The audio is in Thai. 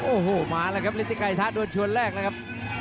โอ้โหมาแล้วครับฤทธิไกรทะโดนชวนแรกแล้วครับ